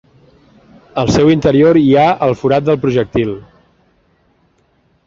Al seu interior hi ha el forat pel projectil.